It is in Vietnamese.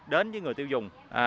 đến với người tiêu dùng